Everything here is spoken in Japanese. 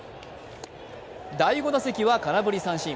第５打席は空振り三振。